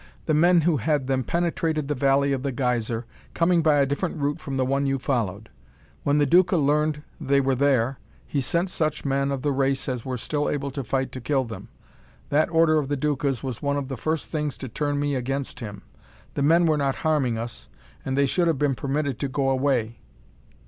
"The men who had them penetrated the Valley of the Geyser, coming by a different route from the one you followed. When the Duca learned they were there, he sent such men of the race as were still able to fight to kill them. That order of the Duca's was one of the first things to turn me against him. The men were not harming us, and they should have been permitted to go away.